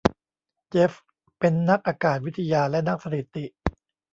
เจฟฟ์เป็นนักอากาศวิทยาและนักสถิติ